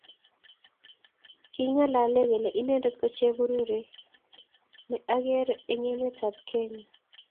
kiking'alale kele inendet ko chepurerie ne ang'er eng' emetab Kenya